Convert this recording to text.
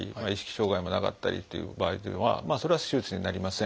障害もなかったりという場合というのはそれは手術にはなりません。